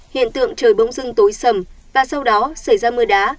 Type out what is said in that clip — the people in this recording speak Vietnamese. hiện tượng trời bỗng dưng tối sầm và sau đó xảy ra mưa đá